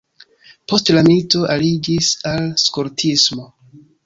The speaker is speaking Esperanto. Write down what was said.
Post la milito aliĝis al skoltismo.